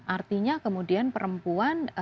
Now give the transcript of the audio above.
artinya kemudian perempuan